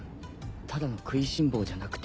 ただの食いしん坊じゃなくて？